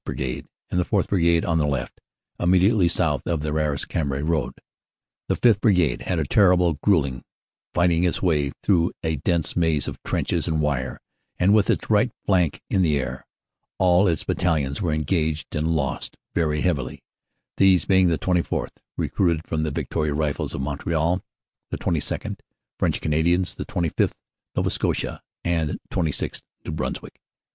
Brigade; and the 4th. Brigade on the left, immediately south of the Arras Cambrai road. The Sth. Brigade had a terrible gruelling, fighting its way through a dense maze of trenches and wire, and with its right flank in the air. All its battalions were engaged and lost very heavily, these being the 24th., recruited from the Victoria Rifles of Montreal, the 22nd., French Canadians, the 25th., Nova Scotia, and 26th., New Brunswick.